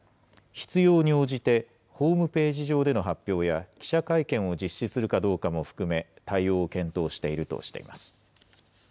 必要に応じて、ホームページ上での発表や、記者会見を実施するかどうかも含め、対応を検討しているとしています。